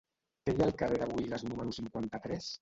Què hi ha al carrer de Buïgas número cinquanta-tres?